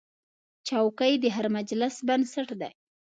چوکۍ د هر مجلس بنسټ دی.